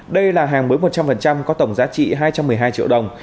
đây là hàng mới một trăm linh có tổng giá trị hai trăm một mươi hai triệu đồng